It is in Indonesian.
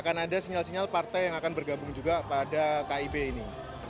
akan ada sinyal sinyal partai yang akan bergabung juga pada kib ini